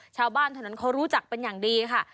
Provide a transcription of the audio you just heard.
ชาวบ้านถนนเขารู้จักเป็นอย่างดีค่ะ